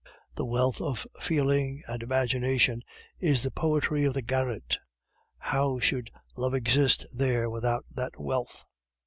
The wealth of feeling and imagination is the poetry of the garret; how should love exist there without that wealth?